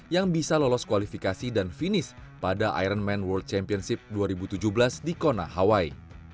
yang bisa lolos kualifikasi dan finish pada iron man world championship dua ribu tujuh belas di kona hawaii